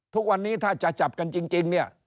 ทุกวันนี้ถ้าจะจับกันจริงเนี่ย